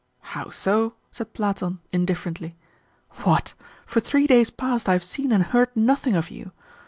"How so?" said Platon indifferently. "What? For three days past I have seen and heard nothing of you!